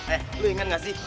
eh lu inget gak sih